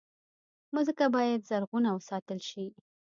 مځکه باید زرغونه وساتل شي.